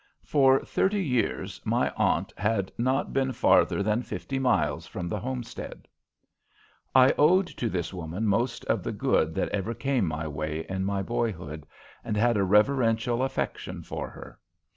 For thirty years my aunt had not been farther than fifty miles from the homestead. I owed to this woman most of the good that ever came my way in my boyhood, and had a reverential affection for her.